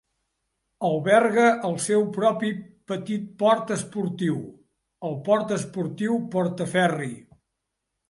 Alberga el seu propi petit port esportiu, el port esportiu Portaferry.